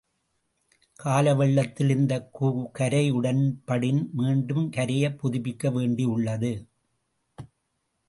கால வெள்ளத்தில் இந்தக் கரை உடைபடின், மீண்டும் கரையைப் புதுப்பிக்க வேண்டி யுள்ளது.